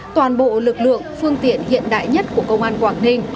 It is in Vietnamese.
toàn bộ lực lượng phương tiện hiện đại nhất của công an quảng ninh